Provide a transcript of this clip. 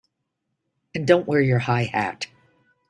And don't wear your high hat!